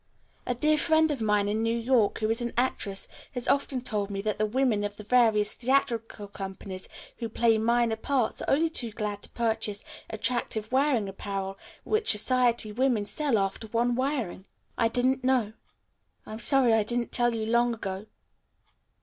A dear friend of mine in New York who is an actress has often told me that the women of the various theatrical companies who play minor parts are only too glad to purchase attractive wearing apparel which society women sell after one wearing." "I didn't know. I am sorry I didn't tell you long ago."